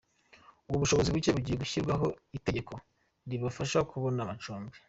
Ab’ubushobozi buke bagiye gushyirirwaho itegeko ribafasha kubona amacumbi